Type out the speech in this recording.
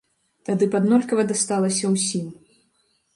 Тады б аднолькава дасталася ўсім.